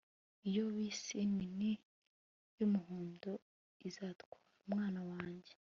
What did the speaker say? iyo bisi nini yumuhondo izatwara umwana wanjye